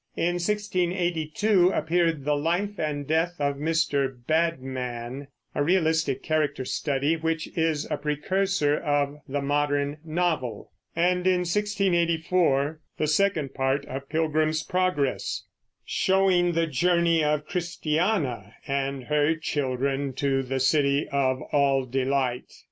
In 1682 appeared The Life and Death of Mr. Badman, a realistic character study which is a precursor of the modern novel; and in 1684 the second part of Pilgrim's Progress, showing the journey of Christiana and her children to the city of All Delight.